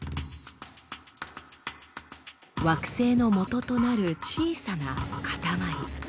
惑星のもととなる小さなかたまり。